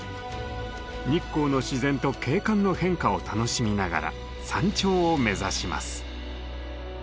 日光の自然と景観の変化を楽しみながら山頂を目指します。